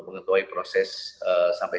mengetuai proses sampai